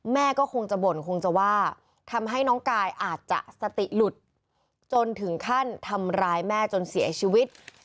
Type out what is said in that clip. แม่ก็คงจะบ่นคงจะว่าทำให้น้องกายอาจจะสติหลุดจนถึงขั้นทำร้ายแม่จนเสียชีวิต